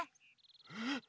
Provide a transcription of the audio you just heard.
えっ。